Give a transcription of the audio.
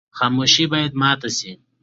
خاموشي باید ماته شي.